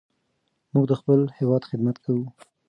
موږ د خپل هېواد خدمت کوو.